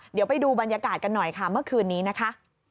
เดี๋ยวไปดูบรรยากาศกันหน่อยค่ะเมื่อคืนนี้นะคะ